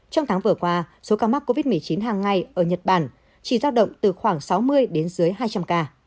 trong tháng vừa qua số ca mắc covid một mươi chín hàng ngày ở nhật bản chỉ giao động từ khoảng sáu mươi đến dưới hai trăm linh ca